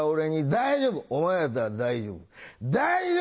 「大丈夫お前やったら大丈夫大丈夫！